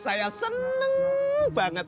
saya seneng banget